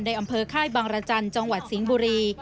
อำเภอค่ายบังรจันทร์จังหวัดสิงห์บุรี